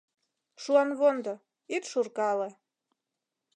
Шуанвондо, ит шуркале